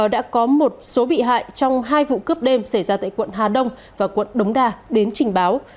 đã có một số bị hại trong hai vụ cướp đêm xảy ra tại quận hà đông và quận đống đa đến trình báo